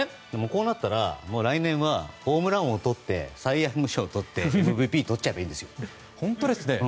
こうなったら来年はホームラン王とってサイ・ヤング賞をとってＭＶＰをとっちゃえばいいんですよ。